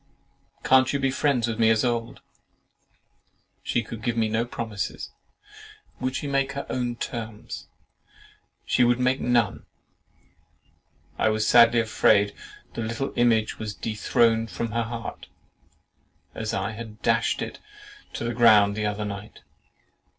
"Can't you be friends with me as of old?" "She could give no promises." "Would she make her own terms?" "She would make none."—"I was sadly afraid the LITTLE IMAGE was dethroned from her heart, as I had dashed it to the ground the other night."